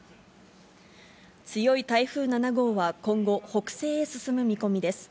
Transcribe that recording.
強い台風７号は、今後、北西へ進む見込みです。